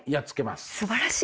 すばらしい！